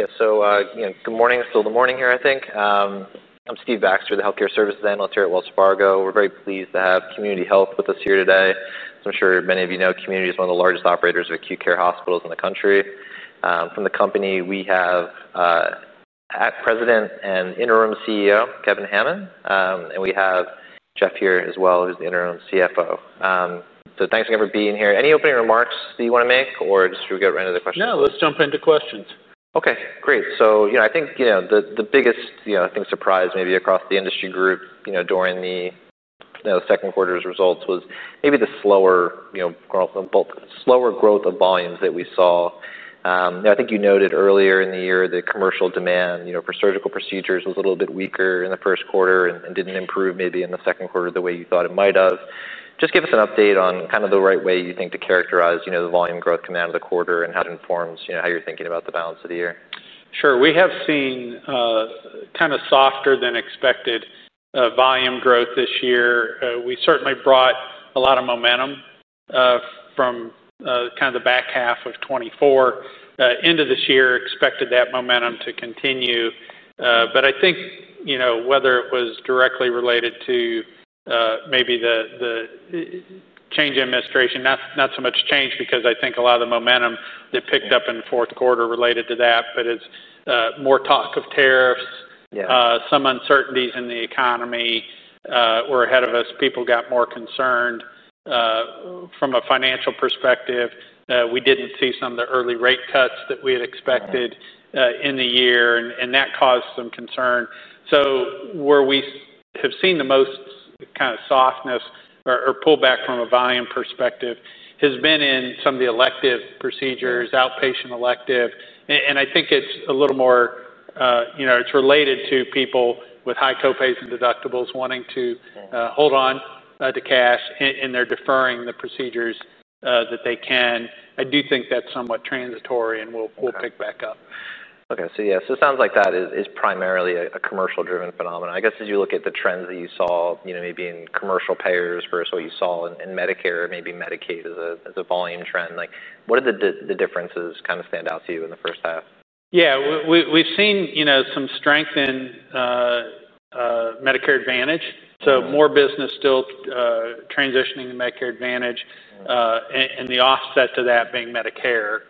Yeah, so, you know, good morning. It's still the morning here, I think. I'm Stephen Baxter, the Healthcare Services Analyst here at Wells Fargo. We're very pleased to have Community Health with us here today. As I'm sure many of you know, Community is one of the largest operators of acute care hospitals in the country. From the company, we have a President and interim CEO, Kevin Hammons. And we have Jason here as well, who's the interim CFO. So thanks again for being here. Any opening remarks that you wanna make, or just should we go right into the questions? No, let's jump into questions. Okay, great. So, you know, I think, you know, the biggest, you know, I think surprise maybe across the industry group, you know, during the second quarter's results was maybe the slower, you know, growth, both slower growth of volumes that we saw. You know, I think you noted earlier in the year that commercial demand, you know, for surgical procedures was a little bit weaker in the first quarter and didn't improve maybe in the second quarter the way you thought it might have. Just give us an update on kind of the right way you think to characterize, you know, the volume growth comment on the quarter and how it informs, you know, how you're thinking about the balance of the year. Sure. We have seen kinda softer than expected volume growth this year. We certainly brought a lot of momentum from kinda the back half of 2024 into this year, expected that momentum to continue, but I think you know whether it was directly related to maybe the change in administration, not so much change because I think a lot of the momentum that picked up in the fourth quarter related to that, but it's more talk of tariffs. Some uncertainties in the economy were ahead of us. People got more concerned, from a financial perspective. We didn't see some of the early rate cuts that we had expected, in the year, and that caused some concern. So where we have seen the most kinda softness or pullback from a volume perspective has been in some of the elective procedures, outpatient elective. And I think it's a little more, you know, it's related to people with high copays and deductibles wanting to hold on to cash, and they're deferring the procedures that they can. I do think that's somewhat transitory, and we'll pick back up. Okay. So, yeah, so it sounds like that is primarily a commercial-driven phenomenon. I guess as you look at the trends that you saw, you know, maybe in commercial payers versus what you saw in Medicare, maybe Medicaid as a volume trend, like, what are the differences kinda stand out to you in the first half? Yeah, we've seen, you know, some strength in Medicare Advantage. More business still, transitioning to Medicare Advantage. And the offset to that being Medicare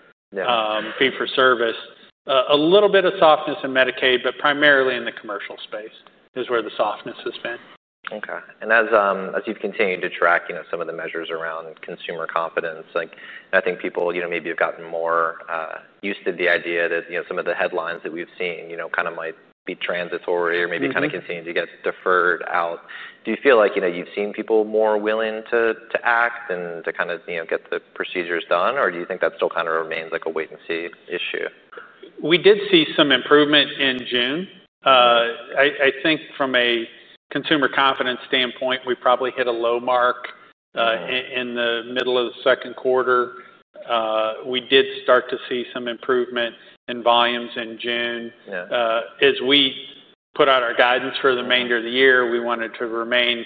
fee-for-service. A little bit of softness in Medicaid, but primarily in the commercial space is where the softness has been. Okay. And as you've continued to track, you know, some of the measures around consumer confidence, like, I think people, you know, maybe have gotten more used to the idea that, you know, some of the headlines that we've seen, you know, kinda might be transitory or maybe kinda. Continuing to get deferred out. Do you feel like, you know, you've seen people more willing to act and to kinda, you know, get the procedures done, or do you think that still kinda remains like a wait-and-see issue? We did see some improvement in June. I think from a consumer confidence standpoint, we probably hit a low mark in the middle of the second quarter. We did start to see some improvement in volumes in June. As we put out our guidance for the remainder of the year, we wanted to remain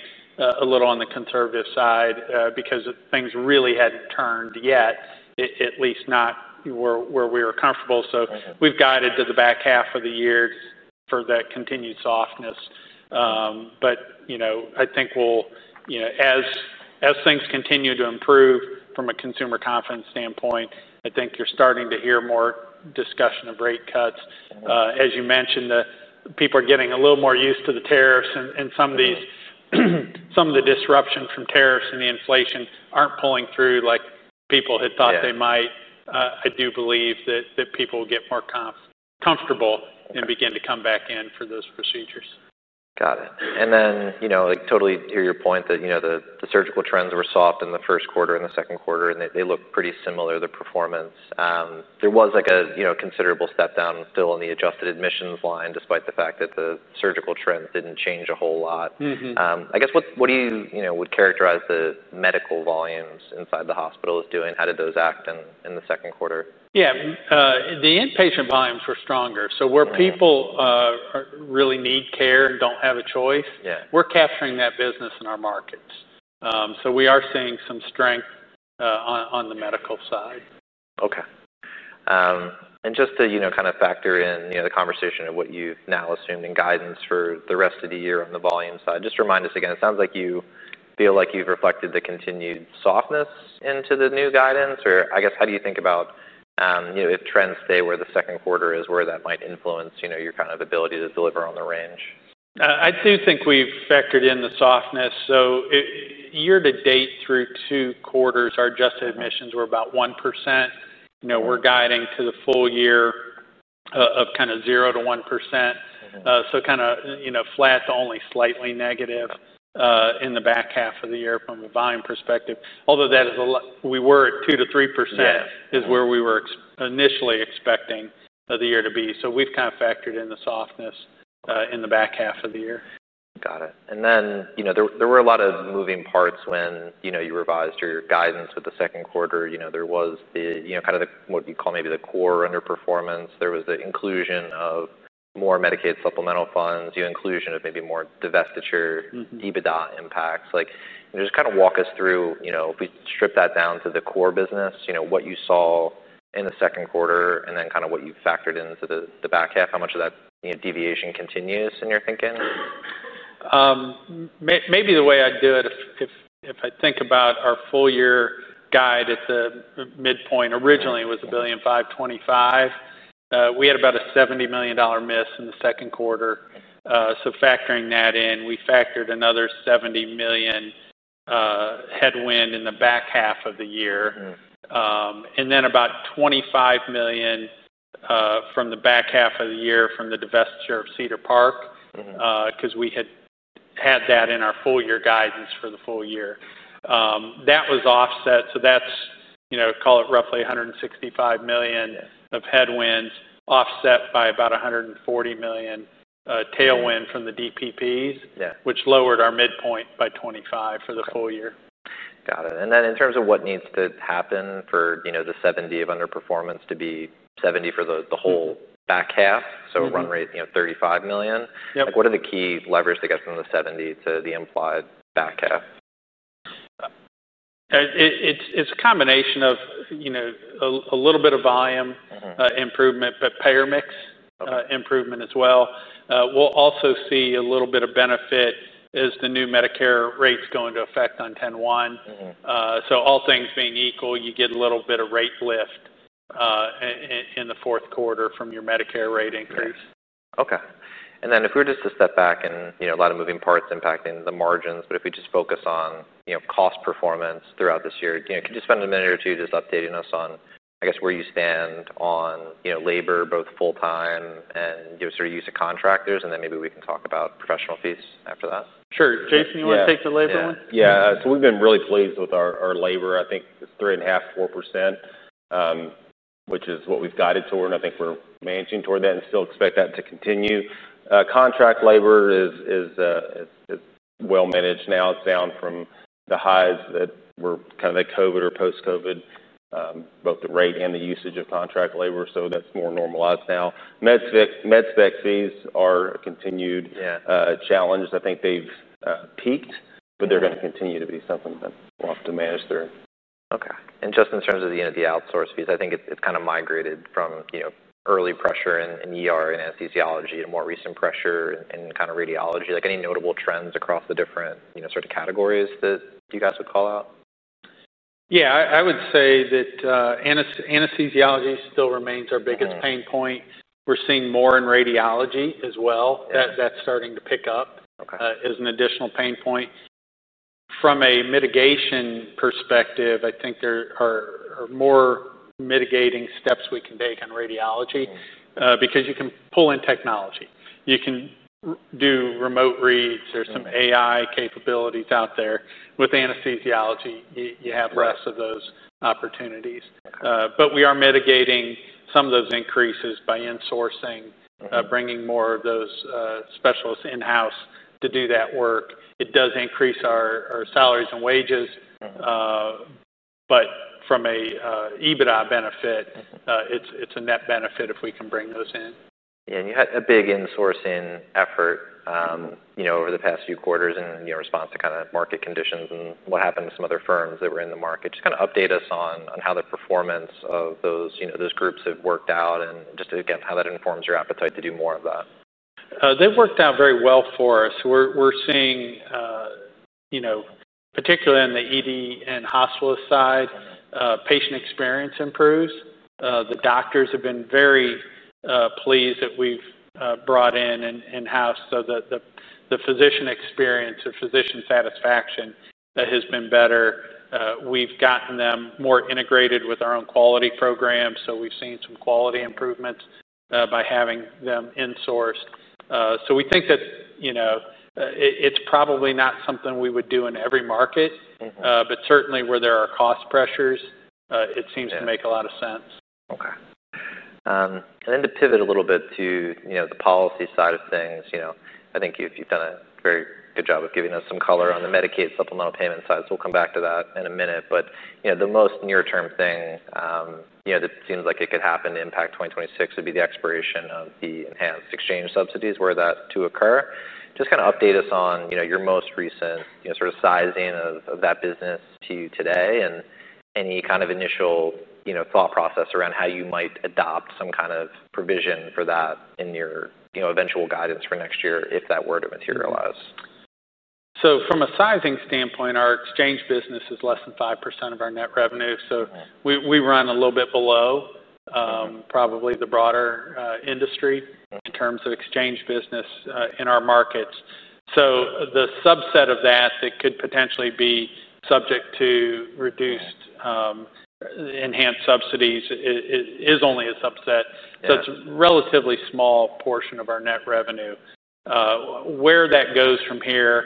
a little on the conservative side, because things really hadn't turned yet, at least not where we were comfortable. So we've guided to the back half of the year for that continued softness. But you know, I think we'll, you know, as things continue to improve from a consumer confidence standpoint, I think you're starting to hear more discussion of rate cuts. As you mentioned, the people are getting a little more used to the tariffs, and some of these, some of the disruption from tariffs and the inflation aren't pulling through like people had thought they might. I do believe that people will get more comfortable and begin to come back in for those procedures. Got it. And then, you know, like, totally hear your point that, you know, the, the surgical trends were soft in the first quarter and the second quarter, and they, they look pretty similar, the performance. There was like a, you know, considerable step down still in the adjusted admissions line despite the fact that the surgical trends didn't change a whole lot. I guess what do you, you know, would characterize the medical volumes inside the hospital as doing? How did those act in the second quarter? Yeah. The inpatient volumes were stronger. So where people really need care and don't have a choice. We're capturing that business in our markets. So we are seeing some strength on the medical side. Okay. And just to, you know, kinda factor in, you know, the conversation of what you've now assumed in guidance for the rest of the year on the volume side, just remind us again, it sounds like you feel like you've reflected the continued softness into the new guidance, or I guess how do you think about, you know, if trends stay where the second quarter is, where that might influence, you know, your kind of ability to deliver on the range? I do think we've factored in the softness. So, year to date through two quarters, our adjusted admissions were about 1%. You know, we're guiding to the full year of kinda 0% to 1%. So kinda, you know, flat to only slightly negative, in the back half of the year from a volume perspective. Although that is a lot, we were at 2% to 3%. Is where we were initially expecting for the year to be. So we've kinda factored in the softness in the back half of the year. Got it. And then, you know, there were a lot of moving parts when, you know, you revised your guidance with the second quarter. You know, there was the, you know, kinda the what you call maybe the core underperformance. There was the inclusion of more Medicaid supplemental funds, you know, inclusion of maybe more divestiture. EBITDA impacts. Like, just kinda walk us through, you know, if we strip that down to the core business, you know, what you saw in the second quarter and then kinda what you factored into the back half, how much of that, you know, deviation continues in your thinking? Maybe the way I'd do it if I think about our full-year guide at the midpoint, originally it was $1.525 billion. We had about a $70 million miss in the second quarter, so factoring that in, we factored another $70 million headwind in the back half of the year. And then about $25 million from the back half of the year from the divestiture of Cedar Park. Cause we had had that in our full-year guidance for the full year. That was offset. So that's, you know, call it roughly $165 million of headwinds offset by about $140 million, tailwind from the DPPs. Which lowered our midpoint by $25 for the full year. Got it. And then in terms of what needs to happen for, you know, the $70 of underperformance to be $70 for the whole back half, so run rate, you know, $35 million. Like, what are the key leverage to get from the $70 to the implied back half? It's a combination of, you know, a little bit of volume. Improvement, but payer mix. Improvement as well. We'll also see a little bit of benefit as the new Medicare rates go into effect on October 1. So all things being equal, you get a little bit of rate lift in the fourth quarter from your Medicare rate increase. Okay. And then if we were just to step back and, you know, a lot of moving parts impacting the margins, but if we just focus on, you know, cost performance throughout this year, you know, could you spend a minute or two just updating us on, I guess, where you stand on, you know, labor, both full-time and, you know, sort of use of contractors? And then maybe we can talk about professional fees after that. Sure. Jason, you wanna take the labor one? Yeah. So we've been really pleased with our labor. I think it's three and a half, 4%, which is what we've guided toward. And I think we're managing toward that and still expect that to continue. Contract labor is well-managed now, down from the highs that were kinda the COVID or post-COVID, both the rate and the usage of contract labor. So that's more normalized now. Med spec fees are a continued challenge I think they've peaked, but they're gonna continue to be something that we'll have to manage through. Okay. And just in terms of the, you know, the outsource fees, I think it's kinda migrated from, you know, early pressure in anesthesiology to more recent pressure in kinda radiology. Like, any notable trends across the different, you know, sort of categories that you guys would call out? Yeah. I would say that anesthesiology still remains our biggest pain point. We're seeing more in radiology as well. That, that's starting to pick up. As an additional pain point. From a mitigation perspective, I think there are more mitigating steps we can take on radiology. Because you can pull in technology. You can do remote reads. There's some AI capabilities out there. With anesthesiology, you have less of those opportunities. But we are mitigating some of those increases by insourcing. By bringing more of those specialists in-house to do that work. It does increase our salaries and wages. But from a EBITDA benefit. It's a net benefit if we can bring those in. Yeah. And you had a big insourcing effort, you know, over the past few quarters in, you know, response to kinda market conditions and what happened to some other firms that were in the market. Just kinda update us on how the performance of those, you know, those groups have worked out and just, again, how that informs your appetite to do more of that. They've worked out very well for us. We're, we're seeing, you know, particularly on the ED and hospitalist side. Patient experience improves. The doctors have been very pleased that we've brought in an in-house. So the physician experience or physician satisfaction has been better. We've gotten them more integrated with our own quality program. So we've seen some quality improvements by having them insourced. So we think that, you know, it's probably not something we would do in every market. But certainly where there are cost pressures, it seems to make a lot of sense. Okay. And then to pivot a little bit to, you know, the policy side of things, you know, I think you've done a very good job of giving us some color on the Medicaid supplemental payment side. So we'll come back to that in a minute. But, you know, the most near-term thing, you know, that seems like it could happen to impact 2026 would be the expiration of the enhanced exchange subsidies. Where that to occur, just kinda update us on, you know, your most recent, you know, sort of sizing of that business to you today and any kind of initial, you know, thought process around how you might adopt some kind of provision for that in your, you know, eventual guidance for next year if that were to materialize? From a sizing standpoint, our exchange business is less than 5% of our net revenue. So we run a little bit below, probably the broader industry. In terms of exchange business, in our markets. So the subset of that that could potentially be subject to reduced, enhanced subsidies is only a subset. So it's a relatively small portion of our net revenue. Where that goes from here,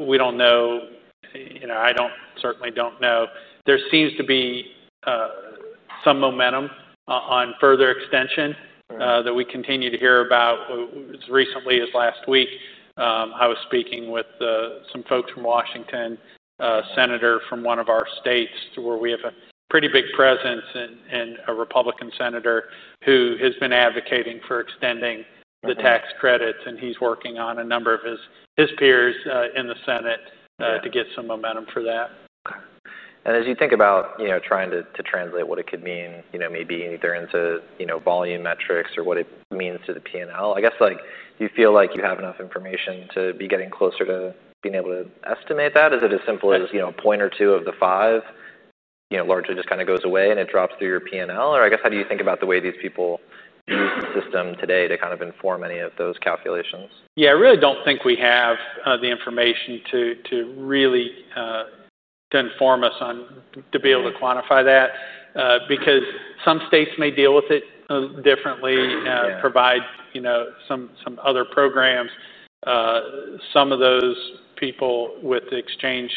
we don't know. You know, I certainly don't know. There seems to be some momentum on further extension that we continue to hear about. As recently as last week, I was speaking with some folks from Washington, a senator from one of our states to where we have a pretty big presence and a Republican senator who has been advocating for extending the tax credits. And he's working on a number of his peers in the Senate to get some momentum for that. Okay. And as you think about, you know, trying to translate what it could mean, you know, maybe either into, you know, volume metrics or what it means to the P&L, I guess, like, do you feel like you have enough information to be getting closer to being able to estimate that? Is it as simple as, you know, a point or two of the five, you know, largely just kinda goes away and it drops through your P&L? Or I guess, how do you think about the way these people use the system today to kind of inform any of those calculations? Yeah. I really don't think we have the information to really inform us on to be able to quantify that, because some states may deal with it differently. Provide, you know, some other programs. Some of those people with the exchange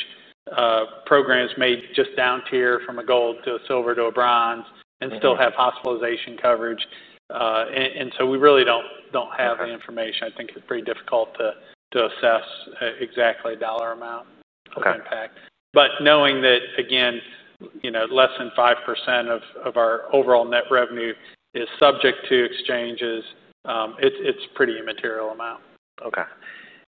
programs may just down tier from a gold to a silver to a bronze. And still have hospitalization coverage. And so we really don't have the information. I think it's pretty difficult to assess, exactly a dollar amount. Of impact. But knowing that, again, you know, less than 5% of our overall net revenue is subject to exchanges, it's pretty immaterial amount. Okay.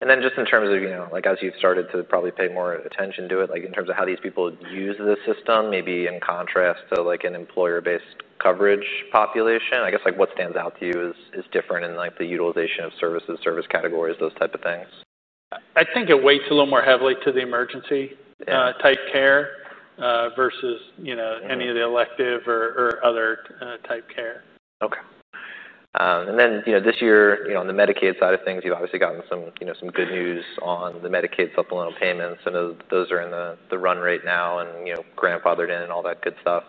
And then just in terms of, you know, like, as you've started to probably pay more attention to it, like, in terms of how these people use the system, maybe in contrast to, like, an employer-based coverage population, I guess, like, what stands out to you as, as different in, like, the utilization of services, service categories, those type of things? I think it weighs a little more heavily to the emergency. Type care, versus, you know, any of the elective or, or other, type care. Okay. And then, you know, this year, you know, on the Medicaid side of things, you've obviously gotten some, you know, some good news on the Medicaid supplemental payments. I know those are in the run right now and, you know, grandfathered in and all that good stuff.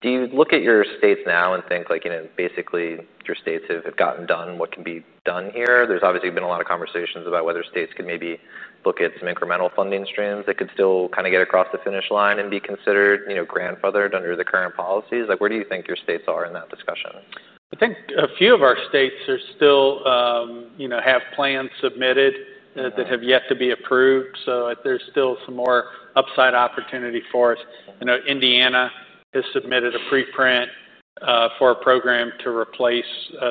Do you look at your states now and think, like, you know, basically your states have gotten done what can be done here? There's obviously been a lot of conversations about whether states could maybe look at some incremental funding streams that could still kinda get across the finish line and be considered, you know, grandfathered under the current policies. Like, where do you think your states are in that discussion? I think a few of our states are still, you know, have plans submitted, that have yet to be approved. So there's still some more upside opportunity for us. You know, Indiana has submitted a preprint, for a program to replace,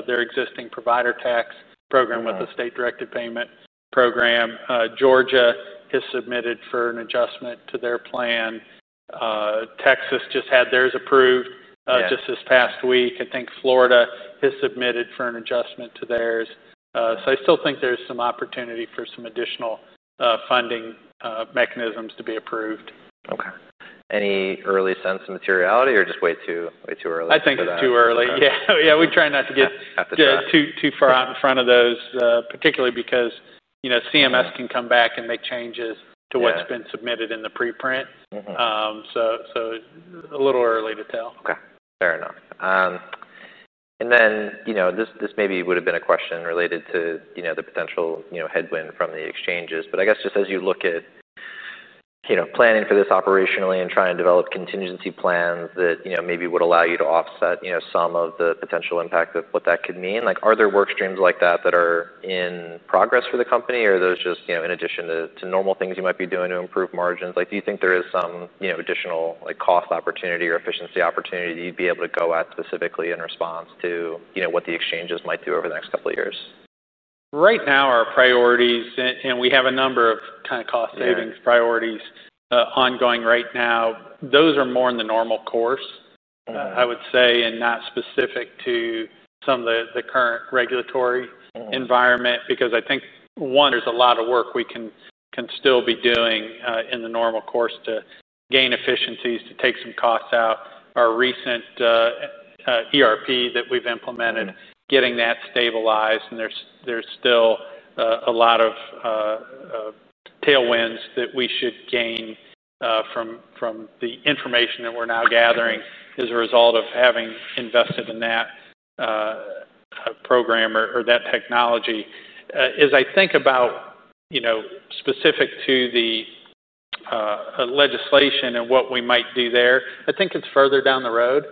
their existing provider tax program. With the state-directed payment program. Georgia has submitted for an adjustment to their plan. Texas just had theirs approved. Just this past week. I think Florida has submitted for an adjustment to theirs. So I still think there's some opportunity for some additional funding mechanisms to be approved. Okay. Any early sense of materiality or just way too, way too early for that? I think too early. Yeah. Yeah. We try not to get. At the start. Yeah. Too, too far out in front of those, particularly because, you know, CMS can come back and make changes to what's been submitted in the preprint. So, a little early to tell. Okay. Fair enough. And then, you know, this maybe would've been a question related to, you know, the potential, you know, headwind from the exchanges. But I guess just as you look at, you know, planning for this operationally and trying to develop contingency plans that, you know, maybe would allow you to offset, you know, some of the potential impact of what that could mean. Like, are there work streams like that that are in progress for the company? Or are those just, you know, in addition to normal things you might be doing to improve margins? Like, do you think there is some, you know, additional, like, cost opportunity or efficiency opportunity that you'd be able to go at specifically in response to, you know, what the exchanges might do over the next couple of years? Right now, our priorities, and we have a number of kinda cost savings priorities. Ongoing right now. Those are more in the normal course. I would say, and not specific to some of the current regulatory. Environment. Because I think, one, there's a lot of work we can still be doing, in the normal course to gain efficiencies, to take some costs out. Our recent ERP that we've implemented. Getting that stabilized, and there's still a lot of tailwinds that we should gain from the information that we're now gathering as a result of having invested in that program or that technology. As I think about, you know, specific to the legislation and what we might do there, I think it's further down the road.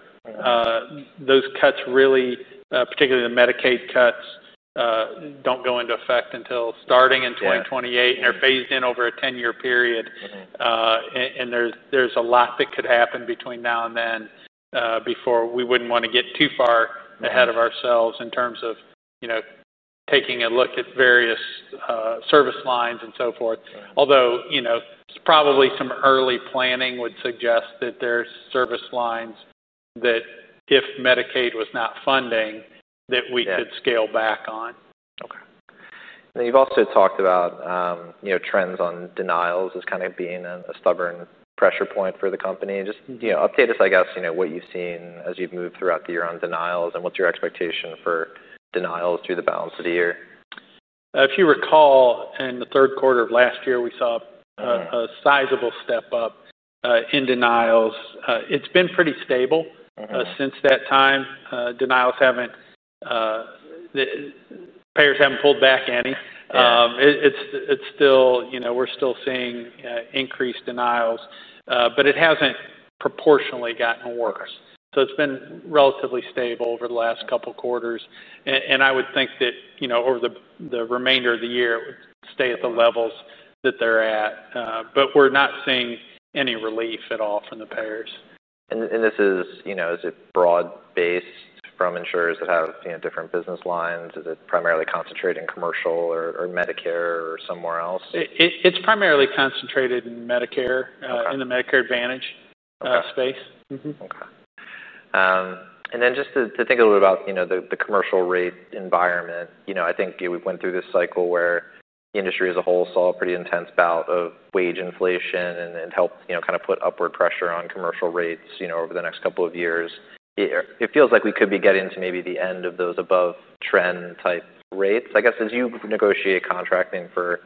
Those cuts really, particularly the Medicaid cuts, don't go into effect until starting in 2028. They're phased in over a 10-year period. And there's a lot that could happen between now and then before we wouldn't wanna get too far ahead of ourselves in terms of, you know, taking a look at various service lines and so forth. Although, you know, probably some early planning would suggest that there's service lines that if Medicaid was not funding, that we could scale back on. Okay. And then you've also talked about, you know, trends on denials as kinda being a stubborn pressure point for the company. Just, you know, update us, I guess, you know, what you've seen as you've moved throughout the year on denials and what's your expectation for denials through the balance of the year? If you recall, in the third quarter of last year, we saw a sizable step up in denials. It's been pretty stable. Since that time, denials haven't, the payers haven't pulled back any. It's still, you know, we're still seeing increased denials. But it hasn't proportionally gotten worse. So it's been relatively stable over the last couple quarters. And I would think that, you know, over the remainder of the year, it would stay at the levels that they're at. But we're not seeing any relief at all from the payers. You know, is it broad-based from insurers that have, you know, different business lines? Is it primarily concentrated in commercial or Medicare or somewhere else? It's primarily concentrated in Medicare. In the Medicare Advantage space. Okay. And then just to think a little bit about, you know, the commercial rate environment, you know, I think, you know, we went through this cycle where the industry as a whole saw a pretty intense bout of wage inflation and helped, you know, kinda put upward pressure on commercial rates, you know, over the next couple of years. It feels like we could be getting to maybe the end of those above-trend type rates. I guess as you negotiate contracting for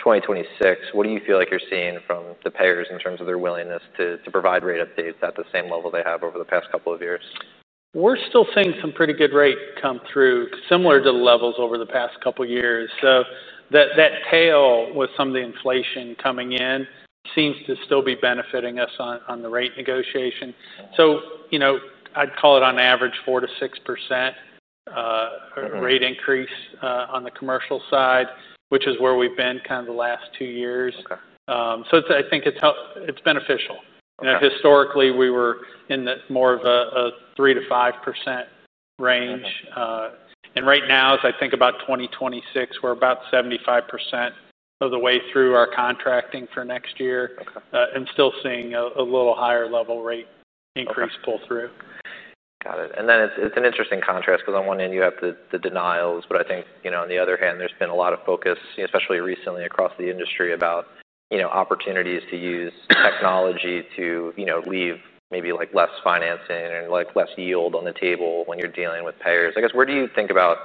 2026, what do you feel like you're seeing from the payers in terms of their willingness to provide rate updates at the same level they have over the past couple of years? We're still seeing some pretty good rate come through, similar to the levels over the past couple years. So that, that tail with some of the inflation coming in seems to still be benefiting us on, on the rate negotiation. So, you know, I'd call it on average 4%-6% rate increase, on the commercial side, which is where we've been kinda the last two years. So it's, I think it's helpful. It's beneficial. You know, historically, we were in the more of a 3%-5% range. And right now, as I think about 2026, we're about 75% of the way through our contracting for next year. And still seeing a little higher level rate increase pull through. Got it. And then it's an interesting contrast 'cause on one end you have the denials, but I think, you know, on the other hand, there's been a lot of focus, you know, especially recently across the industry about, you know, opportunities to use technology to, you know, leave maybe, like, less financing and, like, less yield on the table when you're dealing with payers. I guess, where do you think about,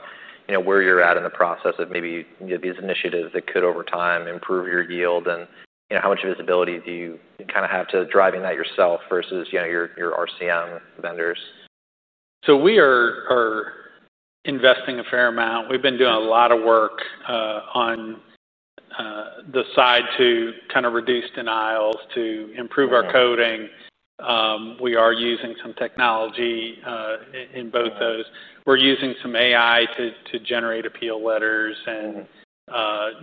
you know, where you're at in the process of maybe, you know, these initiatives that could, over time, improve your yield? And, you know, how much visibility do you kinda have to driving that yourself versus, you know, your RCM vendors? We are investing a fair amount. We've been doing a lot of work on the side to kinda reduce denials to improve our coding. We are using some technology in both those. We're using some AI to generate appeal letters and.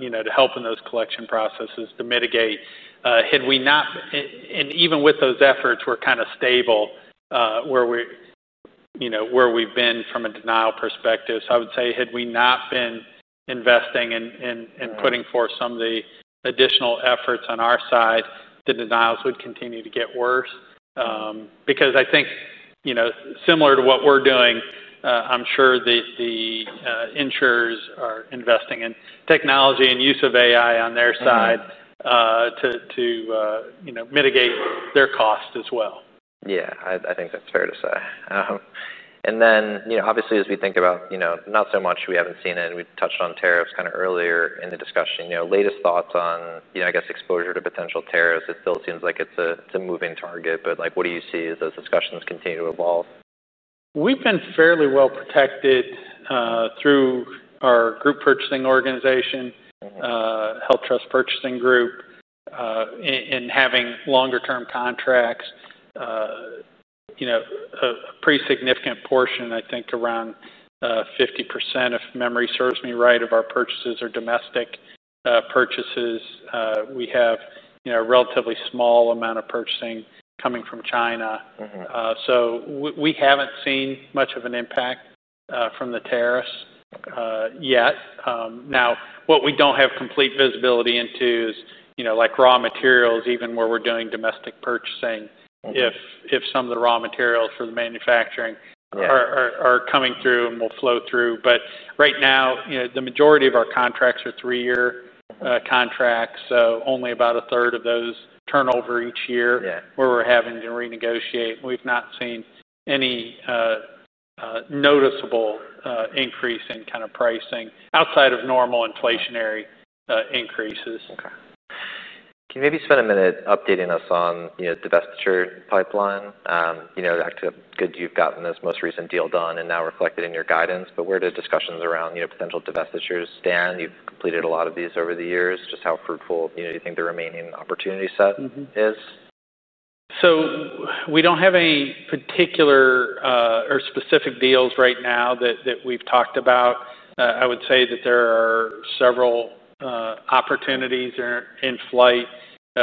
You know, to help in those collection processes to mitigate. Had we not, and even with those efforts, we're kinda stable, where we're, you know, where we've been from a denial perspective. So I would say had we not been investing and putting forth some of the additional efforts on our side, the denials would continue to get worse. Because I think, you know, similar to what we're doing, I'm sure the insurers are investing in technology and use of AI on their side to, you know, mitigate their cost as well. Yeah. I think that's fair to say. And then, you know, obviously, as we think about, you know, not so much we haven't seen it, and we've touched on tariffs kinda earlier in the discussion. You know, latest thoughts on, you know, I guess, exposure to potential tariffs? It still seems like it's a moving target, but, like, what do you see as those discussions continue to evolve? We've been fairly well protected, through our group purchasing organization. HealthTrust Purchasing Group, in having longer-term contracts. You know, a pretty significant portion, I think, around 50%, if memory serves me right, of our purchases are domestic purchases. We have, you know, a relatively small amount of purchasing coming from China. So we haven't seen much of an impact from the tariffs yet. Now, what we don't have complete visibility into is, you know, like, raw materials, even where we're doing domestic purchasing. If some of the raw materials for the manufacturing. Are coming through and will flow through. But right now, you know, the majority of our contracts are three-year contracts. So only about a third of those turn over each year. Where we're having to renegotiate. We've not seen any noticeable increase in kinda pricing outside of normal inflationary increases. Okay. Can you maybe spend a minute updating us on, you know, divestiture pipeline? You know, act of good you've gotten this most recent deal done and now reflected in your guidance, but where do discussions around, you know, potential divestitures stand? You've completed a lot of these over the years. Just how fruitful, you know, do you think the remaining opportunity set is? We don't have any particular or specific deals right now that we've talked about. I would say that there are several opportunities that are in flight.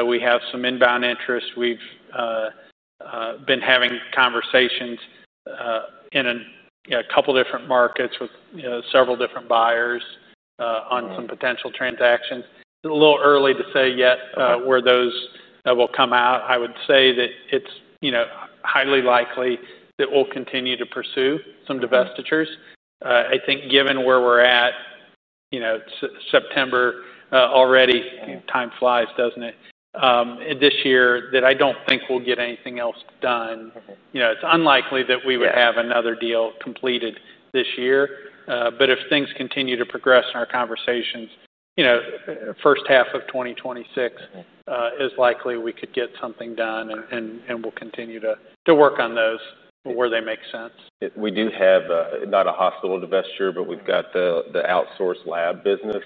We have some inbound interest. We've been having conversations in a couple different markets with you know several different buyers on some potential transactions. It's a little early to say yet where those will come out. I would say that it's you know highly likely that we'll continue to pursue some divestitures. I think given where we're at you know it's September already. Time flies, doesn't it? This year that I don't think we'll get anything else done. You know, it's unlikely that we would have another deal completed this year. But if things continue to progress in our conversations, you know, first half of 2026 is likely we could get something done and we'll continue to work on those where they make sense. We do have, not a hospital divestiture, but we've got the outsourced lab business.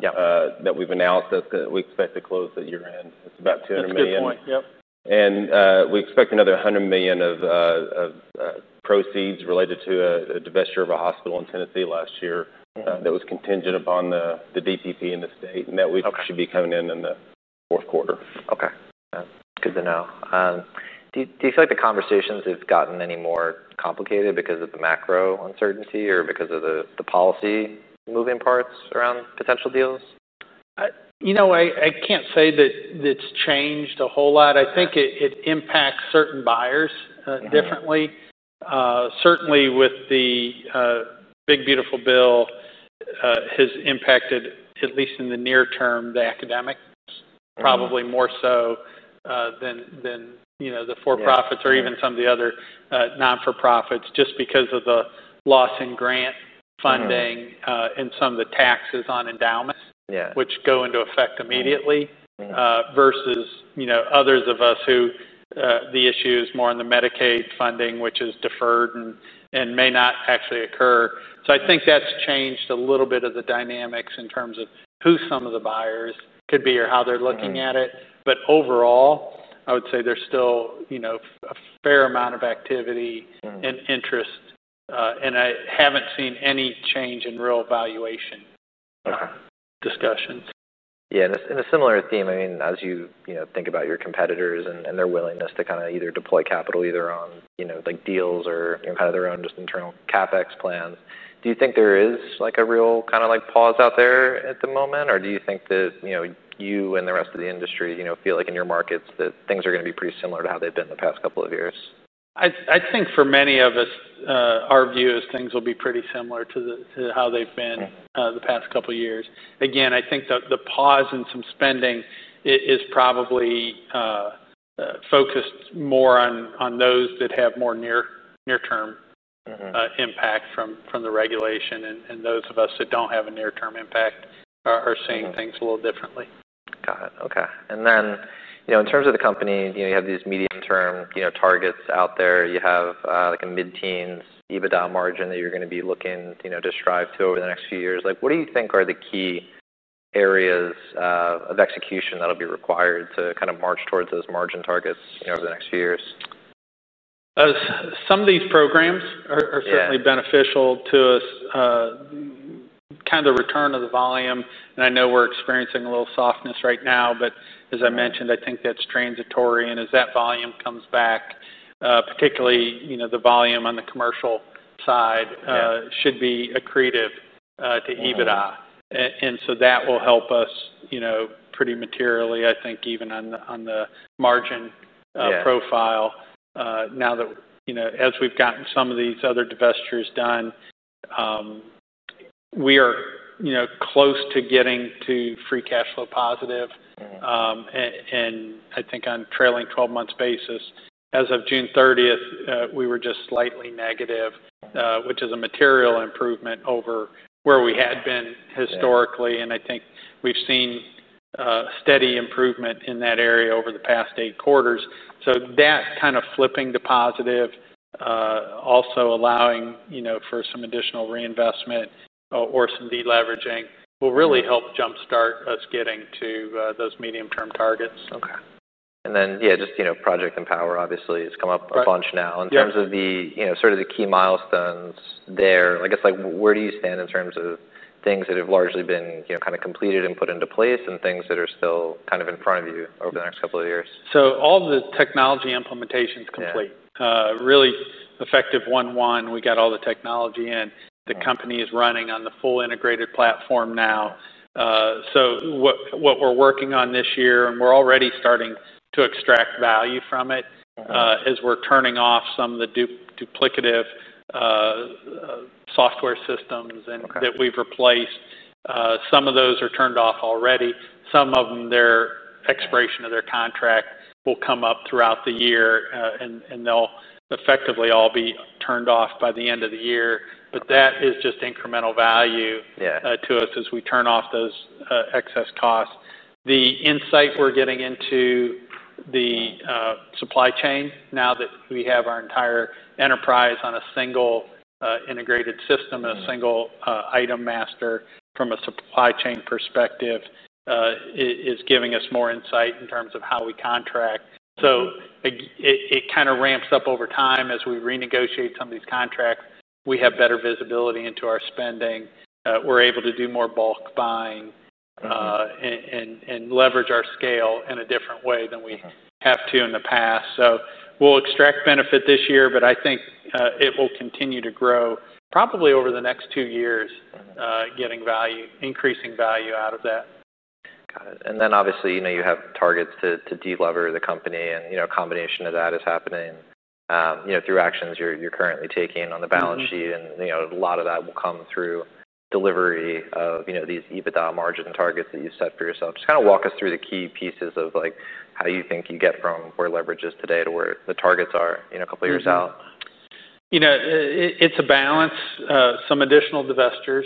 That we've announced that's gonna we expect to close at year-end. It's about $200 million. Good point. Yep. We expect another $100 million of proceeds related to a divestiture of a hospital in Tennessee last year. That was contingent upon the DPP in the state and that we should be coming in in the fourth quarter. Okay. Good to know. Do you feel like the conversations have gotten any more complicated because of the macro uncertainty or because of the policy moving parts around potential deals? You know, I can't say that it's changed a whole lot. I think it impacts certain buyers differently. Certainly with the big beautiful bill has impacted at least in the near term the academics. Probably more so than you know the for-profits. Or even some of the other, non-for-profits just because of the loss in grant funding and some of the taxes on endowments. Which go into effect immediately. Versus, you know, others of us who, the issue is more in the Medicaid funding, which is deferred and may not actually occur. So I think that's changed a little bit of the dynamics in terms of who some of the buyers could be or how they're looking at it. But overall, I would say there's still, you know, a fair amount of activity and interest. And I haven't seen any change in real valuation. Okay. Discussions. Yeah. And in a similar theme, I mean, as you, you know, think about your competitors and their willingness to kinda either deploy capital on, you know, like, deals or, you know, kinda their own just internal CapEx plans, do you think there is, like, a real kinda, like, pause out there at the moment? Or do you think that, you know, you and the rest of the industry, you know, feel like in your markets that things are gonna be pretty similar to how they've been the past couple of years? I think for many of us, our view is things will be pretty similar to how they've been the past couple years. Again, I think the pause in some spending is probably focused more on those that have more near-term impact from the regulation, and those of us that don't have a near-term impact are seeing things a little differently. Got it. Okay. And then, you know, in terms of the company, you know, you have these medium-term, you know, targets out there. You have, like, a mid-teens EBITDA margin that you're gonna be looking, you know, to strive to over the next few years. Like, what do you think are the key areas, of execution that'll be required to kinda march towards those margin targets, you know, over the next few years? Some of these programs are certainly beneficial to us. Kinda the return of the volume. And I know we're experiencing a little softness right now, but as I mentioned, I think that's transitory. And as that volume comes back, particularly, you know, the volume on the commercial side should be accretive to EBITDA. And so that will help us, you know, pretty materially, I think, even on the margin profile. Now that, you know, as we've gotten some of these other divestitures done, we are, you know, close to getting to free cash flow positive. I think on trailing 12-month basis, as of June 30th, we were just slightly negative, which is a material improvement over where we had been historically. And I think we've seen steady improvement in that area over the past eight quarters. So that kinda flipping to positive, also allowing, you know, for some additional reinvestment, or some deleveraging will really help jumpstart us getting to, those medium-term targets. Okay. And then, yeah, just, you know, Project Empower obviously has come up a bunch now. In terms of the, you know, sort of the key milestones there, I guess, like, where do you stand in terms of things that have largely been, you know, kinda completed and put into place and things that are still kind of in front of you over the next couple of years? All the technology implementation's complete. Really effective one-one. We got all the technology in. The company is running on the full integrated platform now, so what we're working on this year, and we're already starting to extract value from it. As we're turning off some of the duplicative software systems and that we've replaced. Some of those are turned off already. Some of them, their expiration of their contract will come up throughout the year, and, and they'll effectively all be turned off by the end of the year. But that is just incremental value to us as we turn off those excess costs. The insight we're getting into the supply chain now that we have our entire enterprise on a single integrated system, a single item master from a supply chain perspective, is giving us more insight in terms of how we contract. So it kinda ramps up over time as we renegotiate some of these contracts. We have better visibility into our spending. We're able to do more bulk buying and leverage our scale in a different way than we haven't in the past. So we'll extract benefit this year, but I think it will continue to grow probably over the next two years getting value, increasing value out of that. Got it. And then obviously, you know, you have targets to delever the company. And, you know, a combination of that is happening, you know, through actions you're currently taking on the balance sheet. You know, a lot of that will come through delivery of, you know, these EBITDA margin targets that you've set for yourself. Just kinda walk us through the key pieces of, like, how you think you get from where leverage is today to where the targets are, you know, a couple years out. You know, it's a balance. Some additional divestitures.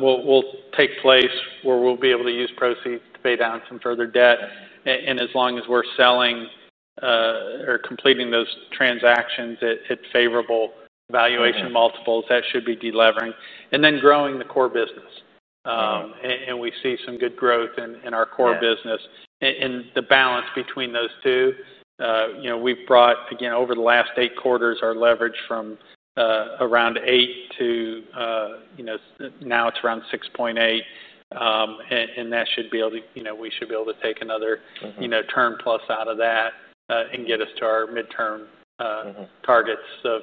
Will take place where we'll be able to use proceeds to pay down some further debt. And as long as we're selling, or completing those transactions at favorable valuation multiples, that should be delevering. And then growing the core business. And we see some good growth in our core business. And the balance between those two, you know, we've brought, again, over the last eight quarters, our leverage from around 8 to, you know, so now it's around 6.8. And that should be able to, you know, we should be able to take another. You know, turn plus out of that, and get us to our midterm targets of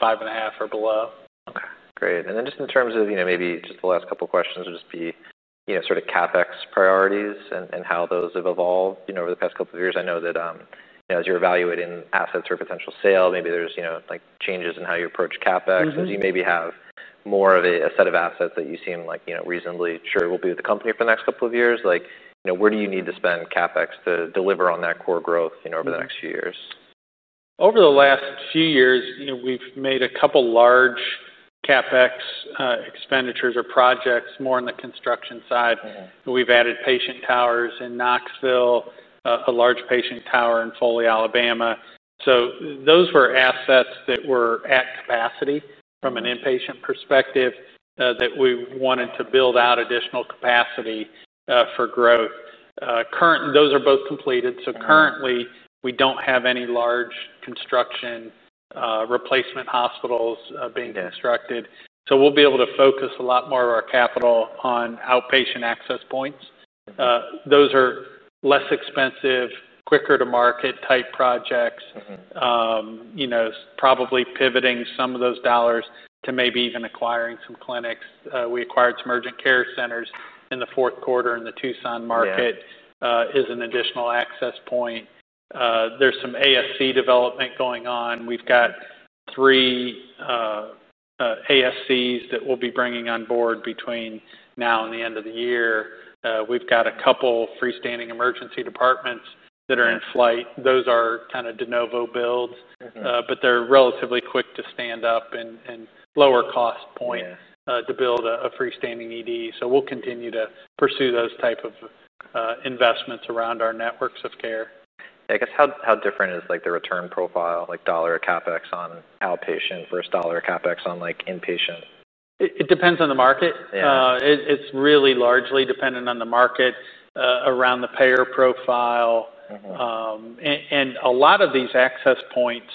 5.5 or below. Okay. Great. And then just in terms of, you know, maybe just the last couple questions would just be, you know, sort of CapEx priorities and, and how those have evolved, you know, over the past couple of years. I know that, you know, as you're evaluating assets for potential sale, maybe there's, you know, like, changes in how you approach CapEx. As you maybe have more of a set of assets that you seem like, you know, reasonably sure will be with the company for the next couple of years, like, you know, where do you need to spend CapEx to deliver on that core growth, you know, over the next few years? Over the last few years, you know, we've made a couple large CapEx expenditures or projects more on the construction side. We've added patient towers in Knoxville, a large patient tower in Foley, Alabama. So those were assets that were at capacity from an inpatient perspective, that we wanted to build out additional capacity, for growth. Currently those are both completed. Currently, we don't have any large construction replacement hospitals being constructed. So we'll be able to focus a lot more of our capital on outpatient access points. Those are less expensive, quicker-to-market type projects. You know, probably pivoting some of those dollars to maybe even acquiring some clinics. We acquired some urgent care centers in the fourth quarter in the Tucson market. As an additional access point. There's some ASC development going on. We've got three ASCs that we'll be bringing on board between now and the end of the year. We've got a couple freestanding emergency departments that are in flight. Those are kinda de novo builds. But they're relatively quick to stand up and lower cost point to build a freestanding ED. So we'll continue to pursue those type of investments around our networks of care. I guess how different is, like, the return profile, like, dollar of CapEx on outpatient versus dollar of CapEx on, like, inpatient? It depends on the market. It's really largely dependent on the market, around the payer profile. And a lot of these access points,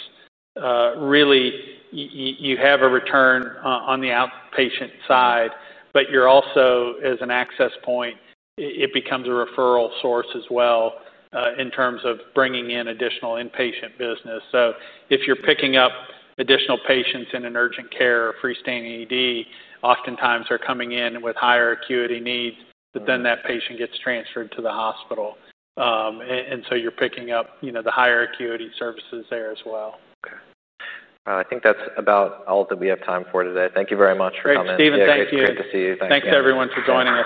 really you have a return on the outpatient side, but you're also, as an access point, it becomes a referral source as well, in terms of bringing in additional inpatient business. So if you're picking up additional patients in an urgent care or freestanding ED, oftentimes they're coming in with higher acuity needs. But then that patient gets transferred to the hospital. And so you're picking up, you know, the higher acuity services there as well. Okay. All right. I think that's about all that we have time for today. Thank you very much for coming. Thanks, Stephen. Thank you. It's great to see you. Thanks so much. Thanks everyone for joining us.